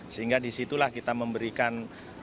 sehingga disitulah kita memberikan